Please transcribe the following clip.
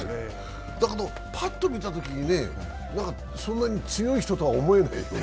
だけど、ぱっと見たときにね、そんなに強い人とは思えないよね。